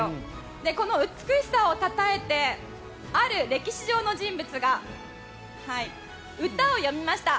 この美しさをたたえてある歴史上の人物が歌を詠みました。